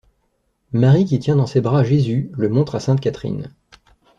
Marie qui tient dans ses bras Jésus, le montre à Sainte Catherine.